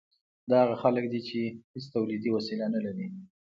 دا هغه خلک دي چې هیڅ تولیدي وسیله نلري.